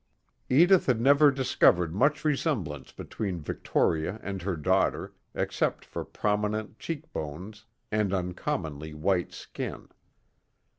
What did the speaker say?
Edith had never discovered much resemblance between Victoria and her daughter, except for prominent cheekbones and uncommonly white skin.